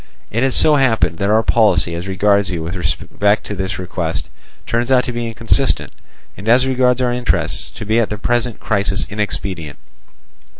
It has so happened that our policy as regards you with respect to this request, turns out to be inconsistent, and as regards our interests, to be at the present crisis inexpedient.